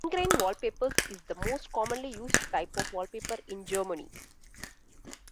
Ingrain wallpaper is the most commonly used type of wallpaper in Germany.